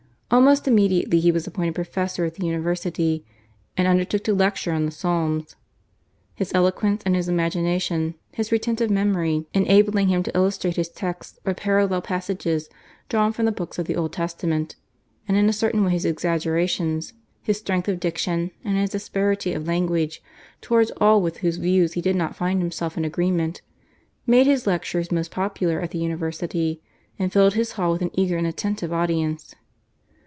Almost immediately he was appointed professor at the university and undertook to lecture on the Psalms. His eloquence and his imagination, his retentive memory enabling him to illustrate his texts by parallel passages drawn from the books of the Old Testament, and in a certain way his exaggerations, his strength of diction, and his asperity of language towards all with whose views he did not find himself in agreement, made his lectures most popular at the university, and filled his hall with an eager and attentive audience.